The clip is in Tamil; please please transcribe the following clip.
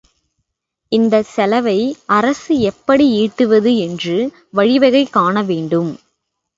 இந்தச் செலவை அரசு எப்படி ஈட்டுவது என்று வழிவகை காண வேண்டும்.